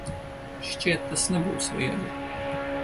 Šķiet, tas nebūs viegli.